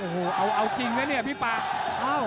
โหเอาจริงมันเปล่าเพราะเนี่ยพี่ป่า